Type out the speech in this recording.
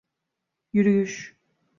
Yürüyüş…